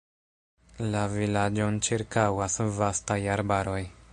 La vilaĝon ĉirkaŭas vastaj arbaroj.